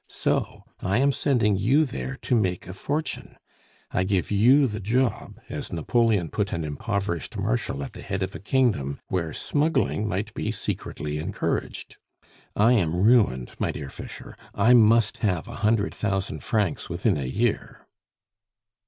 So I am sending you there to make a fortune; I give you the job, as Napoleon put an impoverished Marshal at the head of a kingdom where smuggling might be secretly encouraged. "I am ruined, my dear Fischer; I must have a hundred thousand francs within a year."